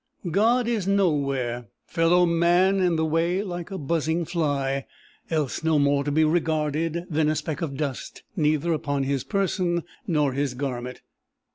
God is nowhere; fellow man in the way like a buzzing fly else no more to be regarded than a speck of dust neither upon his person nor his garment.